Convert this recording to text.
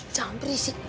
ssst jangan berisik